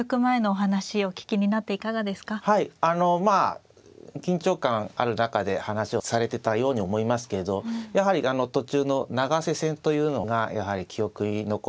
あのまあ緊張感ある中で話をされてたように思いますけどやはりあの途中の永瀬戦というのがやはり記憶に残りますね。